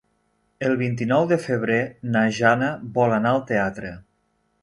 El vint-i-nou de febrer na Jana vol anar al teatre.